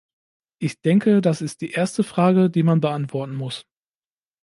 Ich denke, das ist die erste Frage, die man beantworten muss.